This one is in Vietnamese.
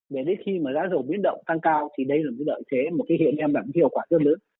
để đến khi mà giá dầu biến động tăng cao thì đây là một cái lợi thế một cái hiện em đẳng hiệu quả rất lớn